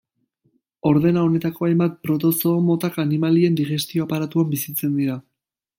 Ordena honetako hainbat protozoo motak animalien digestio aparatuan bizitzen dira.